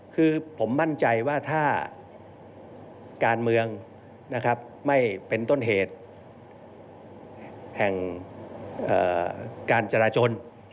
คือผมมั่นใจว่าถ้าการเมืองนะครับไม่เป็นต้นเหตุแห่งการจราจน